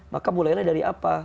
maka mulailah dari apa